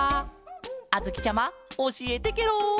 あづきちゃまおしえてケロ！